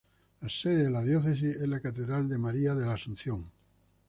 La sede de la Diócesis es la Catedral de María de la Asunción.